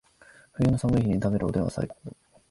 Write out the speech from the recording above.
冬の寒い日に食べるおでんは最高